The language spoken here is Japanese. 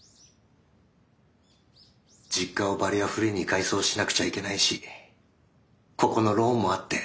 実家をバリアフリーに改装しなくちゃいけないしここのローンもあって。